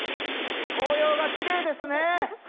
紅葉がきれいですね。